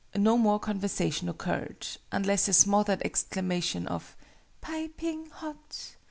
No more conversation occurred unless a smothered exclamation of "Piping hot!"